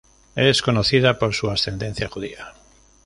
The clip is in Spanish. Es conocida por su ascendencia judía.